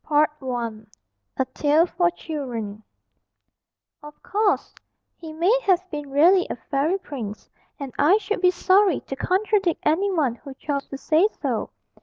_ A TALE FOR CHILDREN. [Illustration: O] Of course he may have been really a fairy prince, and I should be sorry to contradict any one who chose to say so.